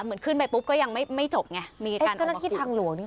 เหมือนขึ้นไปปุ๊บก็ยังไม่ไม่จบไงมีการเจ้าหน้าที่ทางหลวงนี่